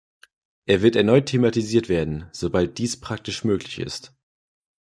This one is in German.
Er wird erneut thematisiert werden, sobald dies praktisch möglich ist.